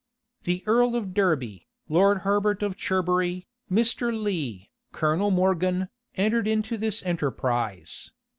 The earl of Derby, Lord Herbert of Cherbury, Mr. Lee, Colonel Morgan, entered into this enterprise.